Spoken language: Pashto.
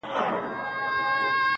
ستا سترگو كي بيا مرۍ- مرۍ اوښـكي-